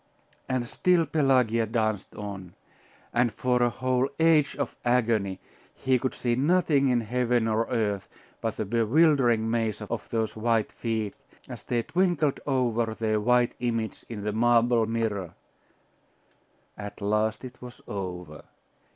And still Pelagia danced on; and for a whole age of agony, he could see nothing in heaven or earth but the bewildering maze of those white feet, as they twinkled over their white image in the marble mirror.... At last it was over.